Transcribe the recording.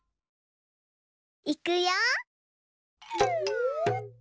いくよ！